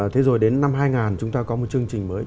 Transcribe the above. thế rồi đến năm hai nghìn chúng ta có một chương trình mới